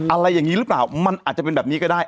อะไรอย่างนี้หรือเปล่ามันอาจจะเป็นแบบนี้ก็ได้